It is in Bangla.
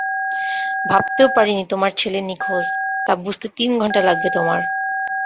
ভাবতেও পারিনি তোমার ছেলে নিখোঁজ তা বুঝতে তিন ঘন্টা লাগবে তোমার।